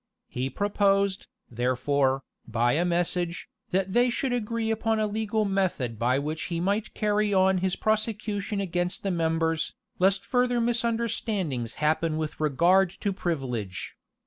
He proposed, therefore, by a message, that they would agree upon a legal method by which he might carry on his prosecution against the members, lest further misunderstandings happen with regard to privilege.